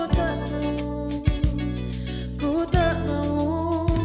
tak mau ku tak mau